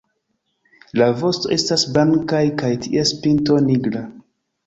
La vosto estas blankaj kaj ties pinto nigra.